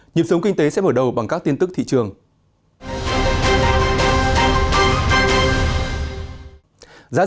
nhịp sống kinh tế sẽ mở đầu bằng các tin tức thị trường